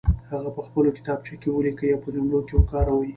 هغه په خپلو کتابچو کې ولیکئ او په جملو کې وکاروئ.